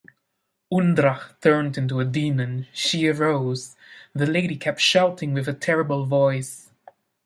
“Undrakh turned into a demon. She arose”, the lady kept shouting with a terrible voice.